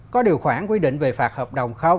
có điều khoản quy định về phạt hợp đồng không